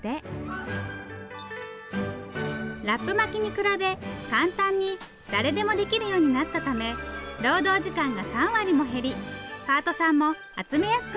ラップ巻きに比べ簡単に誰でもできるようになったため労働時間が３割も減りパートさんも集めやすくなったそうです